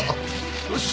よし。